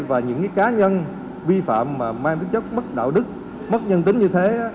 và những cá nhân vi phạm mà mang tính chất mất đạo đức mất nhân tính như thế